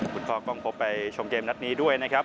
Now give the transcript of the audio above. คุณพ่อกล้องพบไปชมเกมนัดนี้ด้วยนะครับ